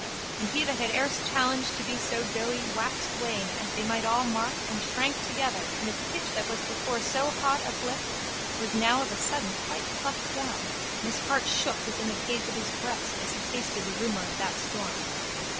And he that had erst challenged to be so doughty waxed wan as they might all mark and shrank together and his pitch that was before so haught uplift was now of a sudden quite plucked down and his heart shook within the cage of his breast as he tasted the rumour of that storm.